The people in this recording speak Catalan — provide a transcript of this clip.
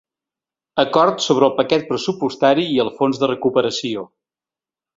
Acord sobre el paquet pressupostari i el fons de recuperació.